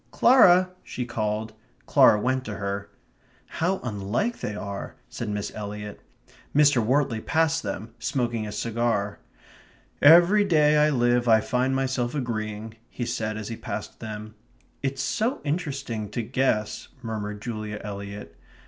"Clara!" she called. Clara went to her. "How unlike they are!" said Miss Eliot. Mr. Wortley passed them, smoking a cigar. "Every day I live I find myself agreeing ..." he said as he passed them. "It's so interesting to guess ..." murmured Julia Eliot.